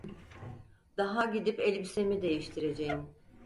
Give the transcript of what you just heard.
Daha gidip elbisemi değiştireceğim.